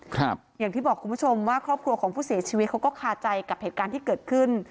อย่างที่บอกคุณผู้ชมว่าครอบครัวของผู้เสียชีวิตเขาก็คาใจกับเหตุการณ์ที่เกิดขึ้น